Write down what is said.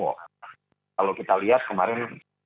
kalau kita lihat kemarin